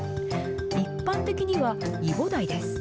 一般的には、イボダイです。